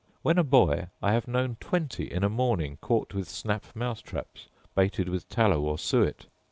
When a boy, I have known twenty in a morning caught with snap mousetraps, baited with tallow or suet.